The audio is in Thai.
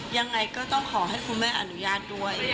ยังไงก็ต้องขอให้คุณแม่อนุญาตด้วย